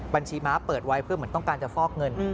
บัญชีม้าเปิดไว้เพื่อเหมือนต้องการจะฟอกเงิน